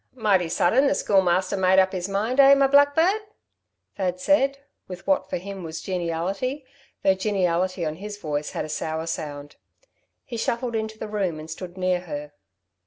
"Mighty sudden the Schoolmaster made up his mind, eh, my blackbird?" Thad said, with, what for him was geniality, though geniality on his voice had a sour sound. He shuffled into the room and stood near her.